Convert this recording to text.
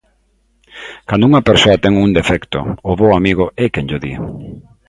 Cando unha persoa ten un defecto, o bo amigo é quen llo di.